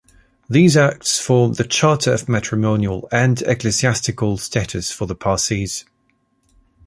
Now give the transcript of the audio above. These acts form the charter of matrimonial and ecclesiastical status for the Parsees.